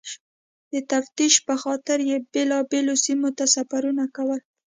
د تفتیش پخاطر یې بېلابېلو سیمو ته سفرونه کول.